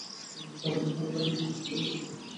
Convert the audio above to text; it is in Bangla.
কারণ, নেহরু তাঁকে ভুল বুঝলেও পরে তিনি তাঁর ভুল বুঝতে পারেন।